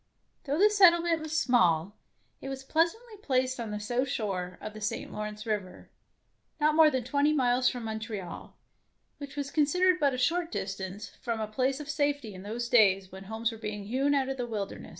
Though the settlement was small, it was pleasantly placed on the south shore of the St. Lawrence River, not more than twenty miles from Montreal, which was considered but a short dis tance from a place of safety in those days when homes were being hewn out of the wilderness.